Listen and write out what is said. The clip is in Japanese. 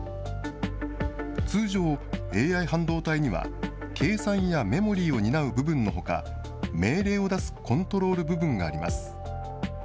通常、ＡＩ半導体には計算やメモリーを担う部分のほか、命令を出すコントロール部分があります。